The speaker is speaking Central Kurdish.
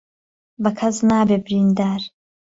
به کهس نابێ بریندار